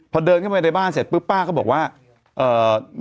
ใส่กี่วอล